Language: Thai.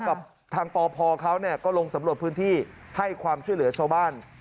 กับทางปพเขาก็ลงสำรวจพื้นที่ให้ความช่วยเหลือชาวบ้าน